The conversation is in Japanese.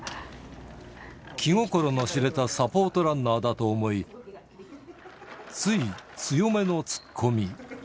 気心の知れたサポートランナーだと思い、つい、強めのツッコミ。